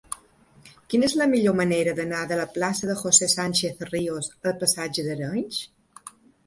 Quina és la millor manera d'anar de la plaça de José Sánchez Ríos al passatge d'Arenys?